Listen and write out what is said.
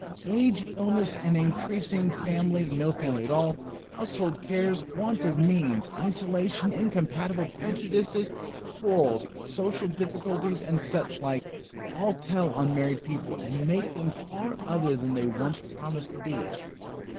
Age, illness, an increasing family, no family at all, household cares, want of means, isolation, incompatible prejudices, quarrels, social difficulties, and such like, all tell on married people, and make them far other than they once promised to be."